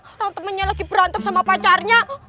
orang temannya lagi berantem sama pacarnya